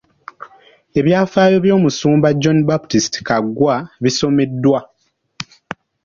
Ebyafaayo by'omusumba John Baptist Kaggwa bisomeddwa.